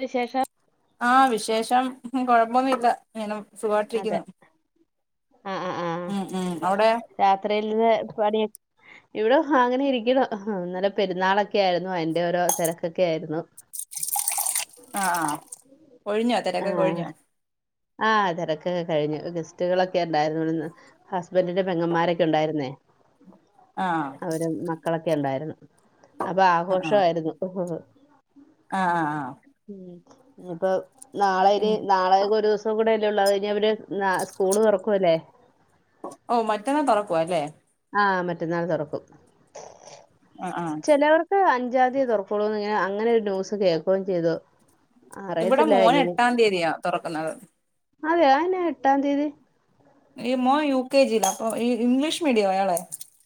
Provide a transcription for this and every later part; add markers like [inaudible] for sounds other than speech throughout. [unintelligible] ശേഷം ആഹ വിശേഷം കൊഴപ്പൂന്നൂല്ല [unintelligible] അതെ സുഖായിട്ടിരിക്കണ് ആ ഉം ഉം അവിടെ ഇ പണിയ ഇവിട അങ്ങനെ ഇരിക്കണ ഇന്നലെ പെരുന്നാളൊക്കെ ആയിരുന്നു അതിന്റെ ഓരോ തിരക്കൊക്കെ ആയിരുന്നു ആഹ ആഹ ഒഴിഞ്ഞൊ തിരക്കൊക്കെ ഒഴിഞ്ഞൊ ആഹ് തിരക്കൊക്കെ കഴിഞ്ഞു ഗെസ്റ്റുകളൊക്കെ ഉണ്ടായിരുന്നു ഹസ്ബൻറിന്റെ പെങ്ങന്മാരൊക്കെ ഉണ്ടായിരുന്നേ ആഹ് അവര് മക്കളൊക്കെ ക്കെണ്ടായിരുന്നു അപ്പൊ ആഹ് ആഹ് ആഘോഷമായിരുന്നു ഹഹ ആഹ് ആഹ് ആഹ് ഇപ്പൊ നാളെനി പിന്നെ നാളെക്ക ഒരു കൂടെയല്ലേ ഒള്ളു അവര് സ്കൂള് തുറക്കുംല്ലേ [unintelligible] ഓ മറ്റന്നെ തുറക്കുവ അല്ലേ ആ മറ്റന്നാൾ തുറക്കും ആഹ് ആഹ് ചിലവർക്ക് അഞ്ച് അജാതിയെ തുറക്കോളൂന്ന് അങ്ങനെ ഒരു ന്യൂസ് കേൾക്കുകയും ചെയ്തു ഇവിടെ അറിയത്തില്ല മോന് എട്ടാം തീയതിയ തുറക്കുന്നത് അതെയൊ അതെന്നാ എട്ടാം തീയതി ഈ മോൻ യുകെജിലാ അപ്പൊ ഈ ഇംഗ്ലീഷ് മീഡിയാ അയാളെ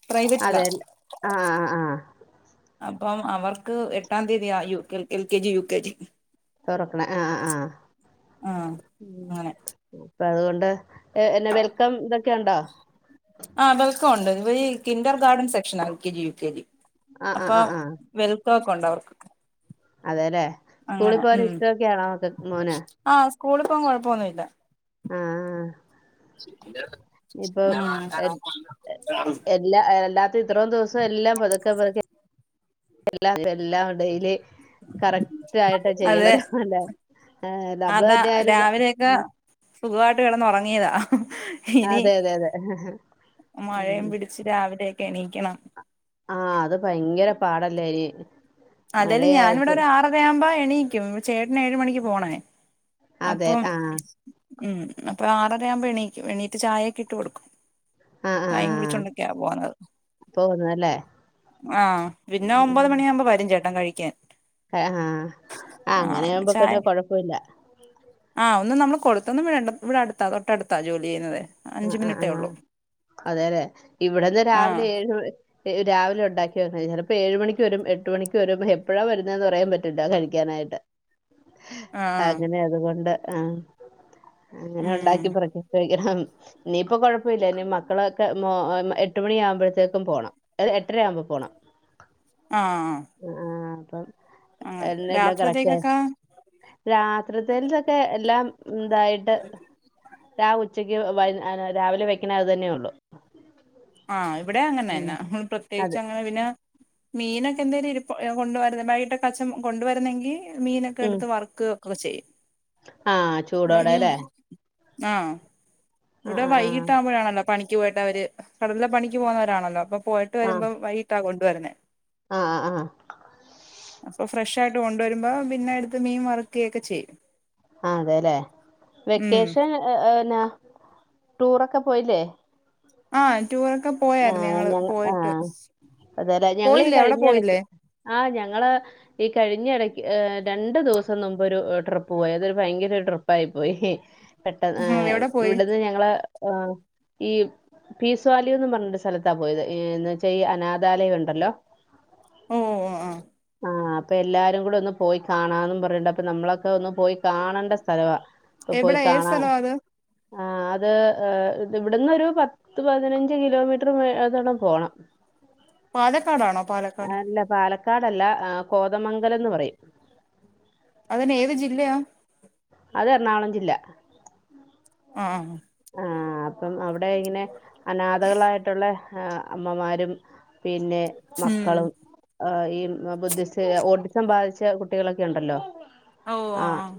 പ്രൈവറ്റിലാ അതെ ആഹ് ആഹ് ആഹ് അപ്പം അവർക്ക് എട്ടാം തീയതിയാ L K G U K G തുറക്കണ ആഹ് ആഹ് ആഹ് അങ്ങനെ അപ്പ അതുകൊണ്ട് ഏ എന്നെ വെൽക്കം ഇതൊക്കെ ഉണ്ടോ ണ്ട് ഇവ കിന്ഡർ ഗാർഡൻ സെക്ഷനാ L K G U K G ആ ആ അപ്പൊ ആ ആ വെൽ ക്കൊക്കണ്ടോ അവർക്ക് അതെല്ലേ സ്കൂളിൽ അങ്ങനെ പോകാൻ ഉം ഇഷ്ടമൊക്കെയാണോക്ക മോന് ആഹ് സ്കൂളിൽ പോകാൻ കുഴപ്പമൊന്നുല്ല ആഹ് ആഹ് [inaudible] ഇപ്പൊ ഉം എ എല്ലാ എല്ലാ ഇത്രയും ദിവസം എല്ലാം പതുക്കെ പതുക്കെ എല്ലാം എല്ലാം ഡെയിലി കറക്റ്റ് ആയിട്ട് അതെ ചെയ്യണത് അല്ല അതാ രാവിലെയൊക്കെ സുഖവായിട്ട് വെറുതെ കിടന്ന് ഉറങ്ങിയതാ ഇനി അതെ അതെ അതെ ഹി ഹി മഴയും പിടിച്ച് രാവിലെ എണീക്കണം ആ അത് ഭയങ്കര പാടല്ലേനി അതേല്ല ഞാനിവിടെ ഒരു ആറര ആവുമ്പ എണീക്കും ചേട്ടന് ഏഴ് മണിക്ക് പോണേ അതെ അപ്പം ആ ഉം അപ്പൊ ആറ ആറരയാവുമ്പോ എണീക്കും എണീറ്റ് ചായയൊക്കെ ഇട്ട് കൊടുക്കും ആ ആ ആ ചായയും കുടിച്ചൊണ്ടൊക്കെയാ പോവുന്നത് പോകുന്നല്ലേ ആഹ് പിന്നെ ഒമ്പത് മണിയാകുമ്പോ വരും ചേട്ടൻ കഴിക്ക ക്കാൻ ആഹ് ഹാ അങ്ങനെ ആവുമ്പൊക്കന്നെ കൊഴപ്പമില്ല ആ ഒന്നും നമ്മള് കൊടുത്തൊന്നും വിടണ്ട ഇവിടെ അടുത്താ തൊട്ടടുത്താ ജോലി ചെയ്യുന്നതേ അ അഞ്ച് ആ മിനിറ്റേ ആ ഉള്ളൂ അതേല്ലെ ഇവിടെന്ന് ആഹ് രാവിലെ ഏഴു രാവിലെ ഉണ്ടാക്കി വന്ന ചിലപ്പോ ഏഴ് മണിക്ക് വരും എട്ട് മണിക്ക് വരും എപ്പോഴാ വരുന്നതെന്ന് പറയാൻ പറ്റില്ലാ കഴിക്കാനായിട്ട് ആഹ് അങ്ങനെ അതുകൊണ്ട് ആ അങ്ങനെ ഉം ഉണ്ടാക്കി [unintelligible] നീ ഇപ്പ കൊഴപ്പമില്ല ഇ മക്കളൊക്കെ മ എട്ട് മണി ആകുമ്പോഴത്തേക്കും പോണം അ എട്ടരയാവുമ്പോ പോണം. ആ ആ ആഹ് ആഹ് അപ്പം അങ്ങനെ രാത്രിത്തേക്കൊക്കെ രാത്രിത്തേ ക്കെ എല്ലാം ഇതായിട്ട്. രാ ഉച്ചക്ക് യു വൈ [unintelligible] രാവിലെ വെക്കണ അത് തന്നെ ഉള്ളു. ആഹ് ഇവിടെ ഉം അങ്ങനെന്നെ പ്രത്യേകിച്ച് അതെ അങ്ങനെ പിന്നെ മീനൊക്കെ എന്തേലും ഇ [unintelligible] കൊണ്ടുവരുന്ന വൈകിട്ട് അച്ച കൊണ്ടുവരുന്നെങ്കിൽ മീനൊക്കെ ഉം എടുത്ത് വർക്ക്.. കുർ ചെയ്യും. ആഹ് ചൂടോടെല്ലേ. ആഹ് ഇവിടെ ആഹ് ആഹ് വൈകിട്ട്കുമ്പോഴാണല്ലോ. പണിക്ക് പോയിട്ട് അവര് കടലില പണി പോുന്നവരാണല്ലോ അപ്പൊ പോയിട്ട് ആഹ് വരുമ്പോ വൈകിട്ടാകോണ്ട് പറഞ്ഞെ. ആഹ് ആഹ് ആഹ് അപ്പൊ ഫ്രഷ് ഇയായിട്ട് കൊണ്ടുവരുമ്പോ പിന്നെ അടുത്ത് മീൻ മറക്കുകയക്കെ ചെയ്യും. ആഹ് അതെല്ലേ ഉം വെക്കേഷൻ ന്നാ ടൂറൊക്കെ പോയില്ലേ? ആഹ്. ടൂറൊക്കെ പോയായിരുന്നു ആഹ് ഞങ്ങള് ഞങ്ങ പോയിട്ട് ആഹ് അതരാ ഞങ്ങീ പോയില്ലേ അവിടെ കഴിഞ്ഞ ഇടക്ക് പോയില്ലേ ആഹ് ഞങ്ങള് ഈ കഴിഞ്ഞ ഇടക്ക് ഏ രണ്ടു ദിവസം മുമ്പ് ഒരു ട്രിപ്പ് പോയി. അതൊരു ഭയങ്കര ട്രിപ്പായി പോയി. പെട്ടെന്ന് എവിടെ പോയി ഇവിടുന്ന് ഞങ്ങള് ഉഹും ഈ പീസ് വാല് പറഞ്ഞ സ്ഥലത്താ പോയത് എന്ന് വെച്ചാ ഈ അനാഥാലയം ഉണ്ടല്ലോ. ഓ ഓ ആഹ് ആഹ് അപ്പയെല്ലാരു കൂടെ ഒന്ന് പോയി കാണാന്ന് പറഞ്ഞിട്ട് അപ്പ നമ്മളൊക്കെ ഒന്ന് പോയി കാണണ്ട സ്ഥലവാ അപ്പൊ പോയി എവിടെ? ഏ കാണാ സ്ഥലവാ അത് ആഹ് അത് ഏ ഇത് ഇവിടന്നൊരു പത്ത് പതിന ഞ്ച് കിലോമീറ്റർ മേ ഏതാനം പോണം പാലക്കാടാണോ? പാലക്കാട്. ക്കാടല്ല ആ കോതമംഗലംന്ന് പറയും. അതിന് ഏത് ജില്ലയാ അത് എറണാകുളം ജില്ല. ആഹ്. ആ അപ്പം അവിടെയിങ്ങനെ അനാഥകളായിട്ടുള്ളെ ആഹ് അമ്മമാരും പിന്നെ മക്കളും ഉം ആഹ് ഈ ആഹ് ബുദ്ധിസ് ഓട്ടിസം ബാധിച്ച കുട്ടികളൊക്കെ ഉണ്ടല്ലോ ഓ ആഹ് ആഹ്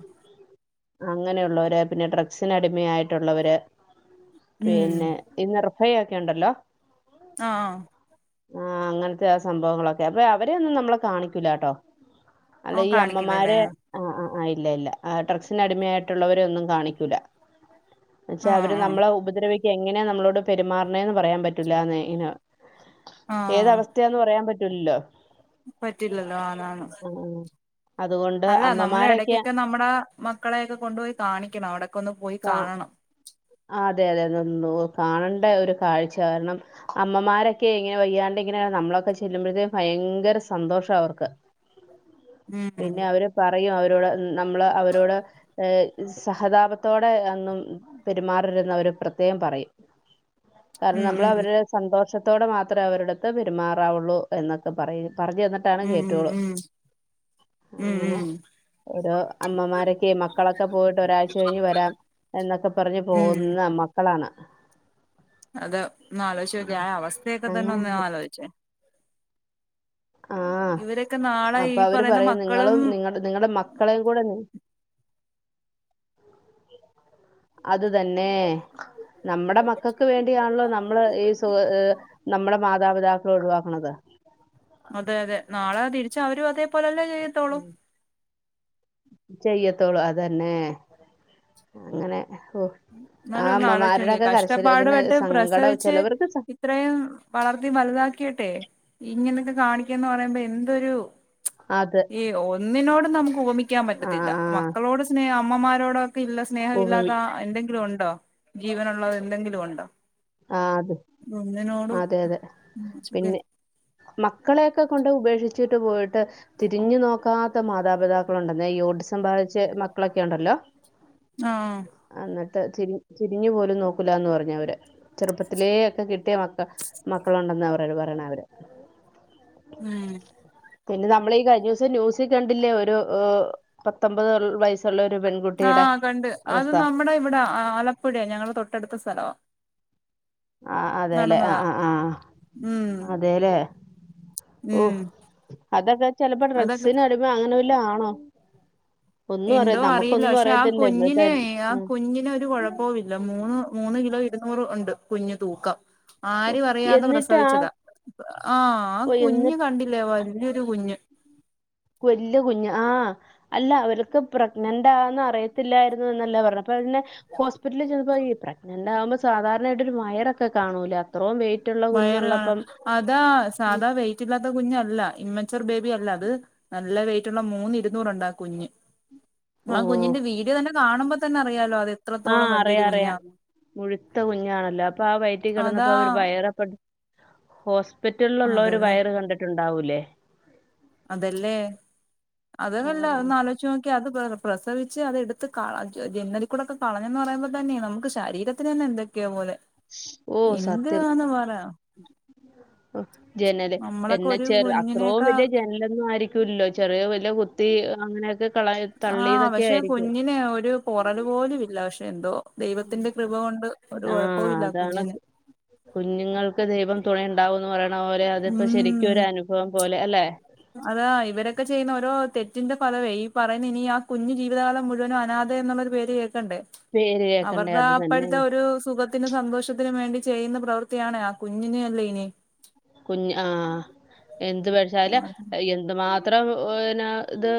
അങ്ങനെയുള്ളവരെ പിന്നെ ഡ്രഗ്സിനടിമയായിട്ടുള്ളവരെ പിന്നെ ഉം ഇന്നറു ഹൈയ്യൊക്കെ ഉണ്ടല്ലൊ ആ ആഹ് അങ്ങത്തെ ആ സംഭവങ്ങളൊക്കെ വേ അവരേയൊന്നും നമ്മളെ കാണിക്കൂലാട്ടോ അല്ല ആ ആ ഈ കാണിക്കില്ലല്ലേ അമ്മമാരെ ആഹ് ആഹ് ആ ഇല്ല ഇല്ല ആ ഡ്രഗ്സ് സിന് അടിമയായിട്ടുള്ളവരെ ഒന്നും കാണിക്കൂല്ല എന്ന് വച്ചാ ആ അവര് ആ നമ്മളെ ഉപദ്രവി എങ്ങനെയാ നമ്മളോട് പെരുമാറണേ ന്ന് പറയാൻ പറ്റൂല്ലാനേ ഇങ്ങ ആ ഏത് അവസ്ഥയാന്ന് പറയാൻ പ റ്റുല്ലോ പറ്റില്ലല്ലോ ആന്ന് ആന്ന് അതുകൊണ്ട് അല്ല നമ്മളെ അമ്മമാരൊക്കെ ഇടക്കൊക്കെ നമ്മടെ മ ക്കളെയൊക്കെ കൊണ്ടു പോയി കാണിക്കണം അവിടെ ക്കൊന്ന് പോയി ആ കാണണം അതെ അതെ കാണണ്ട ഒരു കാഴ്ച കാരണം അമ്മമാരൊക്കെ ഇങ്ങനെ വയ്യാണ്ട് ഇങ്ങനെ നമ്മളൊക്കെ ചെല്ലുമ്പഴ്ത്തേനു ഭയങ്കര സന്തോഷാ അവർക്ക്. ഉം പിന്നെ അവരെ പ റയും അവരോട് നമ്മള് അവരോട് ഹ് സഹതാപത്തോടെ അന്നും പെരുമാറരുത് എന്ന് അവര് പ്രത്യേകം പറയും കാരണം ഉം നമ്മൾ ഉം അവര്ടെ സന്തോഷ ത്തോടെ മാത്രമേ അവരുടെടുത്ത് പെരുമാറാവുള്ളൂ എന്നൊക്കെ പറയും പറഞ്ഞ് തന്നിട്ടാണ് ഉം കേറ്റൊള്ളൂ. ഉം ഉം അങ്ങനെ ഉം ഓരോ അമ്മമാരൊക്കെ മക്കളൊക്കെ പോയിട്ട് ഒരാഴ്ച കഴിഞ്ഞ് വരാം എന്നൊക്കെ പറഞ്ഞു പോകുന്ന മക്കളാണ് അതാ ഒന്ന് ആലോയിച്ച് നോക്കിയെ ആ അവസ്ഥയൊക്കെ തന്നെ അങ്ങനെ ഒന്ന് ആലോയിച്ചേ ആഹ് ഇവരൊക്കെ നാളെ അപ്പ ഈ അവര് പറയുന്ന പറയും നിങ്ങളും മക്കളും നിങ്ങ നിങ്ങടെ മക്കളേയും കൂടെ നി അത് തന്നെ. നമ്മുടെ മക്കൾക്ക് വേണ്ടിയാണല്ലോ നമ്മള് ഈ സുഖ ആഹ് നമ്മടെ മാതാപിതാക്കളെ ഒഴിവാക്കണത്. പക്ഷേ അവരും അതേ പോലല്ലേ ചെയ്യത്തോളൂ? ചെയ്യത്തോളൂ അതന്നെ. അങ്ങനെ ഓ ആ എന്നാലും ഒന്ന് ആലോചിച്ച് നോക്കിയെ അമ്മമാരുടെയൊക്കെ കരച്ചില് കഷ്ടപ്പാട് ഇങ്ങനെ പെട്ട് സങ്കടം പ്രസവിച്ച് ചിലവർക്ക് സ- ഇത്രയും വളർത്തി വലുതാക്കിട്ടെ ഇങ്ങനൊക്കെ കാണിക്കാന്ന് പറയുമ്പോ എന്തൊരു അത് ഈ ഒന്നിനോടും നമ്ക്ക് ഉപമിക്കാൻ ആ പറ്റത്തില്ല ആ മക്കളോട് സ്നേഹം അമ്മമാരോട് പ്പഇല്ല ഉപമി സ്നേഹവില്ലാത്ത എന്തെങ്കിലും ഒണ്ടോ ജീവനുള്ളത് എന്തെങ്കിലും ഒണ്ടോ ആഹ് അതെ അതെ അതെ പിന്നെ മക്കളെയൊക്കെ കൊണ്ട് ഉപേക്ഷി ച്ചിട്ട് പോയിട്ട് തിരിഞ്ഞു നോക്കാത്ത മാതാപിതാക്കളുണ്ടെന്നേ ഈ ഓട്ടിസം ബാധിച്ച മക്കളൊക്കെ ഉണ്ടല്ലോ ആഹ് ത്ത് ചിരിഞ് ചിരിഞ്ഞു പോലും നോക്കുല്ലാന്ന് പറഞ് അവര് ചെറുപ്പത്തിലേ ഒക്കെ കിട്ടിയ മക്ക മക്കളുണ്ടെന്ന് പറയാൻ പറയണ അവര് ഉം പിന്നെ നമ്മഈ കഴിഞ്ഞ ദിവസം ന്യൂസി കണ്ടില്ലേ ഒരു ഓഹ് പത്തൊമ്പത് വയസ്സുള്ള ഒ ആഹ് കണ്ട് അത് നമ്മുടെ ഇവിടെ ആലപ്പുഴ ഞങ്ങളുടെ തൊട്ടടുത്ത സ്ഥലവാ ആഹ് അതെല്ലെ നടന്നതാ ആഹ് ആഹ് ആഹ് ഉം അതെല്ലേ ഉം ഓഹ് അതൊക്കെ ചിലപ്പോ അതൊക്കെ ഡ്രക്സിന് അടിമ അങ്ങനെ വല് ല്ല ആണോ ഒന്നും അറിയ എന്തോ അറിയില്ല നമുക്കൊന്നും പക്ഷെ ആ അറിയത്തില്ല കുഞ്ഞിനെ ഇന്നത്തെ ആ കുഞ്ഞിന് ഒരു കൊഴപ്പോവില്ല മൂന്ന് മൂന്ന് കിലോ ഇരുന്നൂറ് ഉണ്ട് കുഞ് തൂക്കം ഓ, ആരും അറിയാതെ എന്നിട്ട് ആ പ്രസവിച്ചതാ ആഹ് ആ എന്നി കുഞ്ഞ് കണ്ടില്ലേ വല് ല്ലോരു കുഞ്ഞ് വല്യ കുഞ്ഞു ആഹ് അല്ല അവർക്ക് പ്രഗ്നന്റ ആന്ന് അറിയത്തില്ലായിരുന്നുല്ല പറഞ്ഞ പോലന്നേ ഹോസ്പറ്റലി ചന്നപ്പോ ഈ പ്രഗ്ന എണ്ടാകുമ്പ സാധാരണായിട്ട് ഒരു വയറൊക്കെ കാണൂല്ലേ അത്രോം വെ വയറ് കാണ അതാ സാധാ വെയ്ററില്ലാത്ത കുഞ്ഞല്ല ഇമ്മ ത്തർ ബേബി അല്ല അത് നല്ല വെയ് മൂന്ന് ഇരുന്നൂറ്ണ്ടാ കുഞ്ഞ് ഓ ആ കുഞ്ഞിന്റെ വീട് തന്നെ കാണുമ്പോ തന്നെ അറിയാലോ അത് ആഹ എത്രത്തോളം അറിയ വലിയൊരു അറിയ കുഞ്ഞാ മുഴുത്ത കുഞ്ഞാണല്ലോ അപ്പൊ ആ വയറ്റി അതാ കിടന്നപ്പോ അവര് വയറപ്പ ഹോസ്പ ഹോസ്പിറ്റലിലുള്ളൊരു അതല്ലേ വയറ് കണ്ടിട്ടുണ്ട് ണ്ടാവൂലെ അതല്ലേ ആ അതല്ല അതന്ന് ആലോചിച്ച് നോക്കി അത് പ്രസവിച്ച് അത്ടുത്ത് ജെന്നലിക്കൂടെൊക്കെ കളഞ്ഞന്ന് പറയുമ്പോൾ തന്നെയ നമുക്ക് ശരീരത്തിന് തന്നെ എന്തൊക്കെയാ പോലെ എന്താന്ന് പറയാ ആഹ് ജനല് എന്നെ ഒരു ചെറ അത്രയും കുഞ്ഞിനെയൊക്കെ വലിയ ജനലൊന്നും ആയിരിക്കുമല്ലോ ചെറിയ വലിയ അങ്ങനെയൊക്കെ കളയ ആഹ് തള്ളിയതൊക്കെ പക്ഷെ ആയിരിക്കും കുഞ്ഞിനെ ഒരു പോറൽ പോലും ഇല്ല പക്ഷെ എന്തോ ദൈവത്തിന്റെ കൃപ കൊണ്ട് ഒരു ആഹ് കുഴപ്പവും ഇല്ല അതാണ് കുഞ്ഞിന് കുഞ്ഞുങ്ങൾക്ക് ദൈവം തുണ ഉണ്ടാവുംന്ന് പറയാ [unintelligible] അതിപ്പോ ഉം ശരിക്കും ഒരു അനുഭവം പോലെ അല്ലെ അല്ലേ അതാ ഇവരൊക്കെ ചെയ്യുന്ന ഓരോ തെറ്റിന്റെ ഫലവേ ഈ പറയുന്ന ഇനി ആ കുഞ്ഞു ജീതകാലം മുഴുവും അനാഥ എന്നുള്ളൊരു പേര് കേ ക്കണ്ടെ പേര് കേക്കണ്ടേ അവരുടെ അത് തന്നെ അപ്പഴത്തെ ഒരു സുഖ സുഖത്തിനും സന്തോഷത്തിനും വേണ്ടി ചെയ്യുന്ന പ്രവൃത്തിയാണേ ആ കുഞ്ഞിനെ അല്ലേ ഇനി ല്ല എന്തുമാ ത്രം ഇത്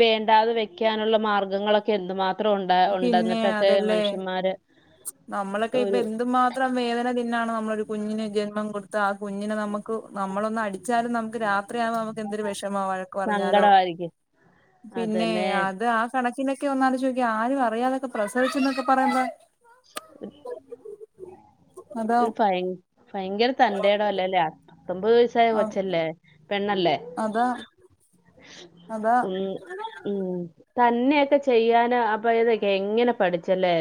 വേണ്ടാതെ വെക്കാനുള്ള മാർഗങ്ങളൊക്കെ എന്തുമാത്രം ഉണ്ട പിന്നെ ഉണ്ടെന്നിട്ടൊക്കെ അതല്ലേ മനുഷ്യന്മാര് നമ്മളൊക്കെ ഇപ്പൊ ഒരു എന്തുമാത്രം വേദന തിന്നാണ് നമ്മളൊരു കുഞ്ഞിന് ജന്മം കൊടുത്ത കുഞ്ഞിനെ നമുക്ക് നമ്മളൊന്ന അടിച്ചാലും നമുക്ക് രാത്രിയാവുമ്പോ നമുക്ക് എന്തൊരു വിഷമാ വഴക്ക് പറഞ്ഞാലോ സങ്കടമായിരിക്കും പിന്നെ അതന്നെ അത് ആ സ ഇതിനൊക്കെ ഒന്നാമത് ചോ ആരും അറിയാതൊക്കെ പ്രസവിച്ചു എന്നൊക്കെ പറയുമ്പം അതാ ഒരു ഭയ [unintelligible] ഭയങ്കര തൻന്റെടല്ലേല ആ പത്തൊൻപത് വയസ്സായ കൊച്ചല്ലേ പെണ്ണല്ലേ അതാ അതാ ഉം ഉം തന്നെയൊക്കെ ചെയ്യാന് അപ്പൊതൊക്കെ എങ്ങനെപഠിച്ചല്ലേ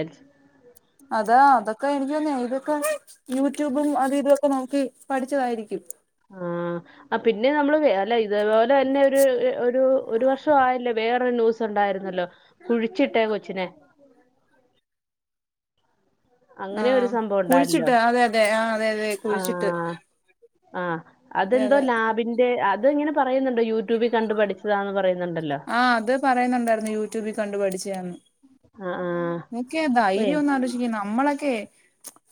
അതാ അതൊക്കെ എനിക്ക് തോ ഇതൊക്കെ യൂട്യൂബും അതും ഇതൊ ഒക്കെ നോക്കി പഠിച്ചതായ്രിക്കും ആ ആ പിന്നെ നമ്മള് അല്ല ഇതേപോലെ തന്നെ ഒരു ഒരു ഒരു വർഷ ആയല്ലേ വേറൊരു ന്യൂസുണ്ടായിരുന്നല്ലോ കുഴിച്ചിട്ടേ കൊച്ചിനെ ആ അങ്ങനെ ഒരു സംഭവം ഉണ്ടായല്ലോ കുഴിച്ചിട്ട് അതെ അതെ ആ അതെ അതെ ആ കുഴിച്ചിട്ട് ആ അതെ അതെന്തോ അതെ ലാബിന്റെ അ അതെങ്ങനെ പ പറയുന്നുണ്ട് യൂട്യൂബി കണ്ട് പഠിച്ചതാന്ന് പറയുന്നുണ്ടല്ലോ ആ അത് ആ ആ നോക്കിയേ ആ ഓ എ- ധൈര്യം ഒന്നാലോചിച്ച് നമ്മളൊക്കെ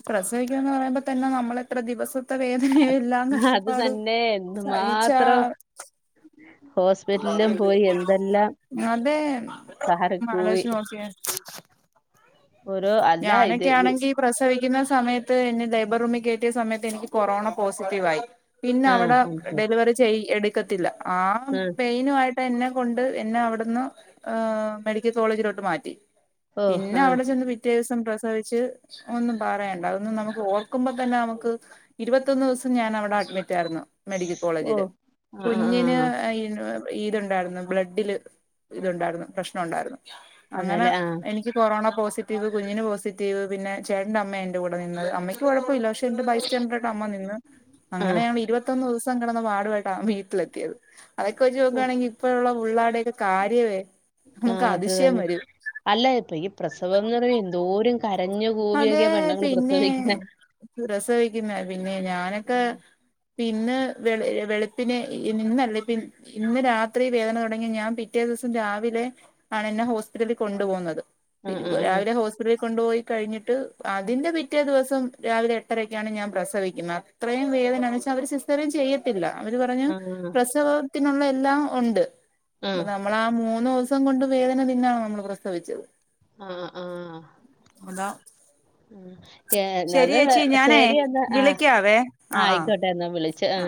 പ്രസവിക്കണംന്ന് പറയുമ്പോ തന്നെ നമ്മളെത്ര ദിവസം വേദനയും എല്ലാം അത് കഷ്ടപ്പാടും തന്നെ സഹിച്ചാ എന്തുമാത്രം ഹോസ്പിറ്റലിലും പോയി എന്തെല്ലാം അതെ മാലശ സഹാരക്കൂവി നക്കിയ [unintelligible] [inaudible] ഓരോ അല്ല ഇത് വി ഞാനൊക്കെയാണെങ്കി പ്രസവിക്കുന്ന സമയത്ത് എന്നെ ലേബർ റൂമിൽ കേറ്റിയ സമയത്ത് എനിക്ക് കൊറോണ പോസിറ്റീവ് ആയി പിന്നെ ആഹ് അവ്ടെ ഡെലിവറി ചെയ്യ എടു ക്കത്തില്ല [inaudible] ആ ആഹ് പെയിനുആയിട്ട് എന്നെ കൊണ്ട് എന്നെ അവിടുന്ന് മെഡിക്കൽ കോളേജിലോട്ട് മാറ്റി ഓ പിന്നെ ആ അവിടെ ചെന്ന് പിറ്റേ ദിവസം പ്രസവിച്ച് ഒന്നും പറയണ്ട അതൊന്നും നമുക്ക് ഓർക്കുമ്പോ തന്നെ നമുക്ക് ഇരുപത്തൊന്ന് ദിവസം ഞാനവിടെ അഡ്മിറ്റായിരുന്നു മെഡിക്കൽ കോളേജില് ഓഹ് ആഹ് ആഹ് കുഞ്ഞിന് ആഹ് ഇതുണ്ടായിരുന്നു ബ്ലഡ്ഢില് ഇതുണ്ടായിരുന്നു പ്രശ്നണ്ടായിരുന്നു അങ്ങനെ അതെല്ലേ ആഹ് എനിക്ക് കൊറോണ പിറ്റേന്ന് കുഞ്ഞിന് പോസിറ്റീവ് പിന്നെ ചേട്ടന്റെ അമ്മയെന്റെ കൂടെ നിന്നത് അമ്മയ്ക്ക് കൊഴപ്പല്ല ബൈസ്റ്റാണ്ടറായിട്ട് അമ്മ നിന്ന് ആഹ് അങ്ങനെയാഇരുപത്തൊന്ന് ദിവസ എന്ത് കെടന്ന് പാട് പെട്ടു വീട്ടിലെത്തിയത് അതൊക്കെ വെച്ച് നോക്കുകയാണെങ്കിൽ ഇപ്പോഴുള്ള ള്ളപുള്ള ക്കെ [unintelligible] കാര്യവേ ആ അത് തന്നെ അല്ല ഇപ്പൊ ഈ പ്രസവ എന്തോരും കരഞ്ഞു അതെ കൂവിയൊക്കെ പെണ്ണങ്ങൾ പിന്നെ പ്രസവിക്കണേ പ്രസവിക്കുന്ന പിന്നെ ഞാനൊക്കെ പിന്നെവെളുപ്പിനെ രാത്രി വേദന തുടങ്ങി ഞാൻ പിറ്റേ ദിവസം രാവിലെയാണ് എന്നെ ഹോസ്പിറ്റലിൽ കൊണ്ടു പോകുന്നത്. ആഹ് [unintelligible] ആഹ് രാവിലെ ഹോസ്പിറ്റലിൽ - കൊണ്ടുപോയി കഴിഞ്ഞിട്ട് അതിന്റെ പിറ്റേ ദിവസം രാവിലെ എട്ടരക്കാണ് ഞാൻ പ്രസവിക്കുന്നത് അത്രയും വേദനതിന്ന് എന്നുവെച്ചാൽ അവര് സിസേറിയൻ ചെയ്യത്തില്ല. അവര് പറഞ്ഞു ആഹ് പ്രസവ ത്തിനുള്ള എല്ലാം ഉണ്ട്. അപ്പ ആഹ് നമ്മളാ മൂന്ന്ദിവസ ദിവസം കൊണ്ട് വേദന തിന്നാണ് നമ്മൾ പ്രസ്തവിച്ചത് ആ ആ അതാ ഏ ശരി നത് ചേച്ചി ഞാനേ ശരി എന്നാ ആ വിളിക്കാവേ ആ ആ ആയിക്കോട്ടെ എന്നാ വിളിച്ച ആ